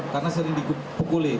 karena sering dipukuli